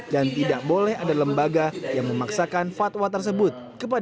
dan tidak boleh ada lembaga yang memaksakan fatwa tersebut